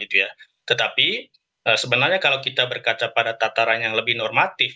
tetapi sebenarnya kalau kita berkaca pada tataran yang lebih normatif